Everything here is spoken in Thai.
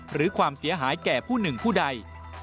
หรือความเสียหายแก่ผู้หนึ่งผู้ใด